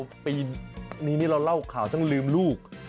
วันนี้เราเล่าข่าวจนลืมลูก